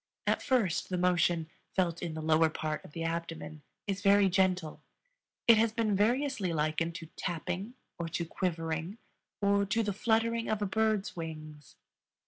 At first the motion, felt in the lower part of the abdomen, is very gentle; it has been variously likened to tapping, or to quivering, or to the fluttering of a bird's wings.